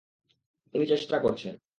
উনি চেষ্টা করছেন।